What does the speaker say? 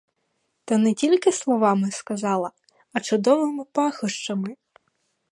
Та тільки не словами сказала, а чудовими пахощами.